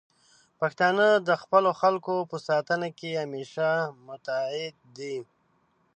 پښتانه د خپلو خلکو په ساتنه کې همیشه متعهد دي.